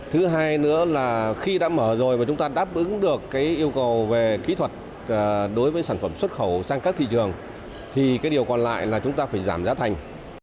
thứ hai nữa là khi đã mở rồi và chúng ta đáp ứng được yêu cầu về kỹ thuật đối với sản phẩm xuất khẩu sang các thị trường thì cái điều còn lại là chúng ta phải giảm giá thành